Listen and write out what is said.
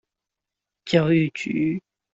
教育局